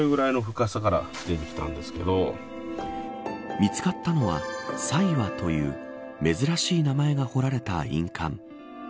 見つかったのは佐岩という珍しい名前が彫られた印鑑。